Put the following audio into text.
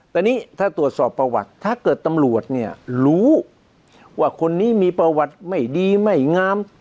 แต่นี่ถ้าตรวจสอบประวัติถ้าเกิดตำรวจเนี่ยรู้ว่าคนนี้มีประวัติไม่ดีไม่งาม